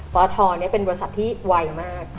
ปทเป็นบริษัทที่ไวมาก